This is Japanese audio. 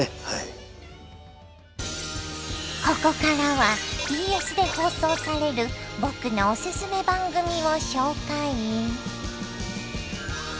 ここからはＢＳで放送される僕のオススメ番組を紹介。